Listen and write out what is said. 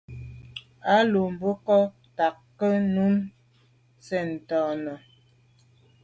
A lo mbe nkôg tàa ko’ num sen ten nà.